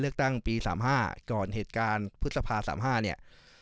เลือกตั้งปี๓๕ก่อนเหตุการณ์พฤษภา๓๕เนี่ย